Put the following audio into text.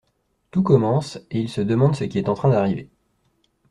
Tout commence et ils se demandent ce qui est en train d'arriver.